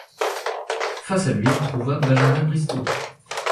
Face à lui, il trouva Benjamin Bristow.